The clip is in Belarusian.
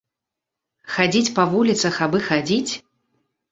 Хадзіць па вуліцах абы хадзіць?